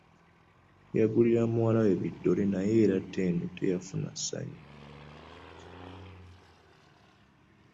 Yagulira muwala we biddole naye era Ttendo teyafuna ssayu.